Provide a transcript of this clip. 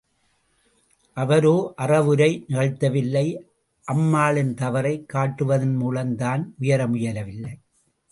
அவரோ அறவுரை நிகழ்த்தவில்லை அம்மாளின் தவறைக் காட்டுவதன்மூலம், தான் உயர முயலவில்லை.